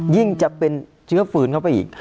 จะเป็นเชื้อฝืนเข้าไปอีก